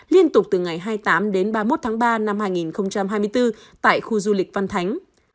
liên tục từ ngày hai mươi tám đến ba mươi một tháng ba năm hai nghìn hai mươi bốn tại khu du lịch văn thánh